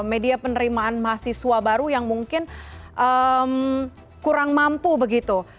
media penerimaan mahasiswa baru yang mungkin kurang mampu begitu